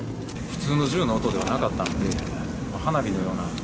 普通の銃の音ではなかったんで、花火のような。